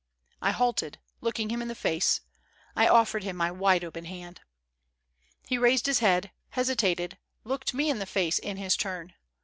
I halted, looking him in the face. I offered him my wide open hand. He raised his head, hesitated, looked me in the face in his turn.